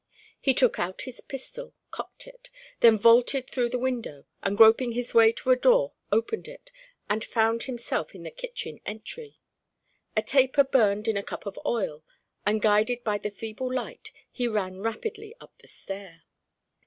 He took out his pistol, cocked it, then vaulted through the window, and groping his way to a door opened it and found himself in the kitchen entry. A taper burned in a cup of oil; and guided by the feeble light he ran rapidly up the stair.